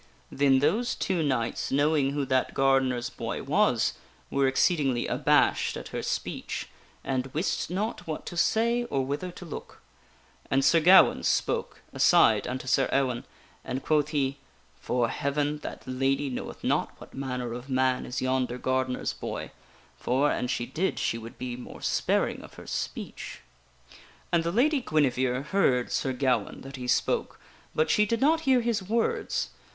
Then those two knights, knowing who that gardener's boy was, were exceedingly abashed at her speech, and wist not what to say or whither to look. And Sir Gawaine spake, aside unto Sir Ewaine, and quoth he :" 'Fore Heaven, that lady knoweth not what manner of man is yonder gardener's boy ; for, an she did, she would be more sparing of her speech." And the Lady Guinevere heard Sir Gawaine that he spoke, but she did not hear his words.